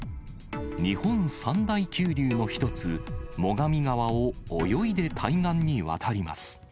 日本三大急流の一つ、最上川を泳いで対岸に渡ります。